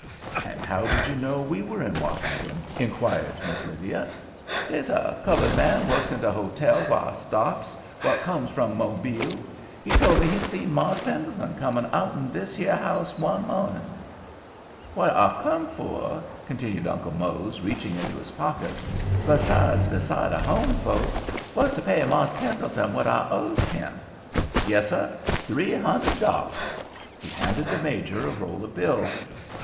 "And how did you know we were in Washington?" inquired Miss Lydia. "Dey's a cullud man works in de hotel whar I stops, what comes from Mobile. He told me he seen Mars' Pendleton comin' outen dish here house one mawnin'. "What I come fur," continued Uncle Mose, reaching into his pocket—"besides de sight of home folks—was to pay Mars' Pendleton what I owes him. "Yessir—three hundred dollars." He handed the Major a roll of bills.